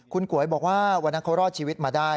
คุณก๋วยบอกว่าวันนั้นเขารอดชีวิตมาได้